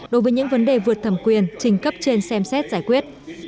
đối với những vấn đề vượt thẩm quyền trình cấp trên xem xét giải quyết